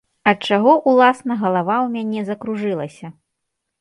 Ад чаго, уласна, галава ў мяне закружылася?